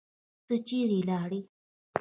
ته چیرې لاړې؟